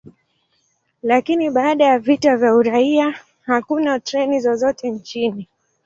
Lakini baada ya vita vya uraia, hakuna treni zozote nchini.